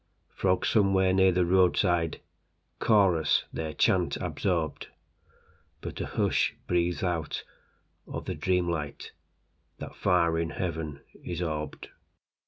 Frogs somewhere near the roadsideChorus their chant absorbed:But a hush breathes out of the dream lightThat far in heaven is orbed.